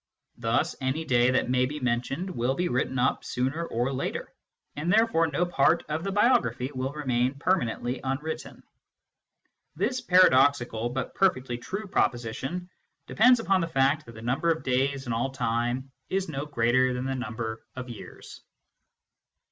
Thus any day that may be mentioned will be written up sooner or later, and therefore no part of the biography will remain permanently unwritten. This paradoxical but perfectly true proposition depends upon the fact MATHEMATICS AND METAPHYSICIANS 91 that the number of days in all time is no greater than the number of years.